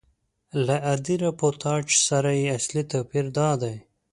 له عادي راپورتاژ سره یې اصلي توپیر دادی.